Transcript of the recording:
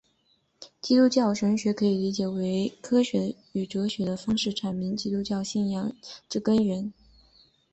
基督教神学可以理解为以科学与哲学的方式阐明基督教信仰之根源。